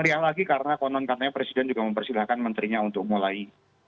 meriah lagi karena konon katanya presiden juga mempersilahkan menterinya untuk mulai